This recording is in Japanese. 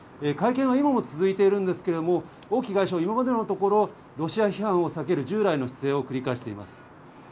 会見は今も続いているんですけれども、王毅外相、今のところ、ロシア非難を避ける従来の姿勢を繰り返しています。